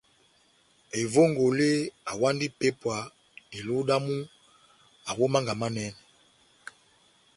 Evongole awandi ipépwa iluhu damu awi ó Mánga Manɛnɛ.